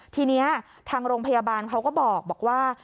ทีนี้ทางโรงพยาบาลเขาก็บอกว่า